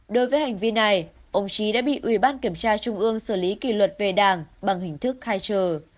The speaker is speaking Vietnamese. đối với hành vi này ông trí đã bị ủy ban kiểm tra trung ương xử lý kỷ luật về đảng bằng hình thức khai trừ